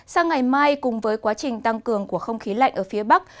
sang ngày mai cùng với quá trình tăng cường của không khí lạnh ở phía bắc